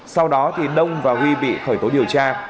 sau đó thì đông và huy bị khởi tố điều tra